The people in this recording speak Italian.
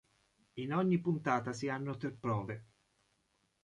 In ogni puntata si hanno tre prove.